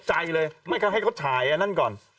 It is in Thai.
ตกใจเลยไม่ก็ให้เขาที่นั่งก่อน